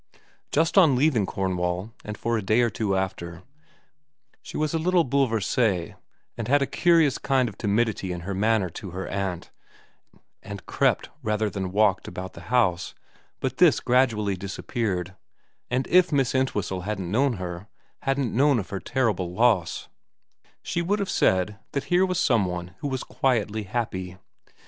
Just on leaving Cornwall, and for a day or two after, she was a little bouleversee, and had a curious kind of timidity in her manner to her aunt, and crept rather than walked about the house, but this gradually disappeared ; and if Miss Entwhistle hadn't known her, hadn't known of her terrible loss, 68 VERA vn she would have said that here was some one who was quietly happy.